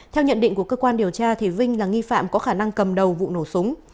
theo nhận định của cơ quan điều tra vinh là nghi phạm có khả năng cầm đầu vụ nổ súng